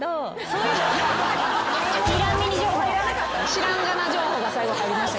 知らんがな情報が最後入りました。